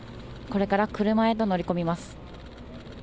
これから車へと乗り込みます。